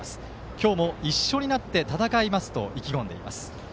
今日も一緒になって戦いますと意気込んでいます。